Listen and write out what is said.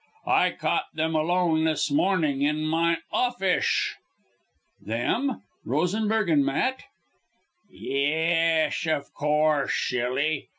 I caught them alone this morning in my offish." "Them! Rosenberg and Matt!" "Yesh, of course, shilly!